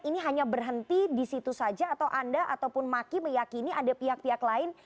ini hanya berhenti di situ saja atau anda ataupun maki meyakini ada pihak pihak lain